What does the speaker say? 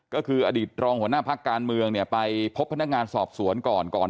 ก็คืออดีตรองหัวหน้าพักการเมืองเนี่ยไปพบพนักงานสอบสวนก่อนก่อน